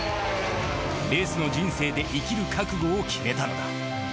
レースの人生で生きる覚悟を決めたのだ。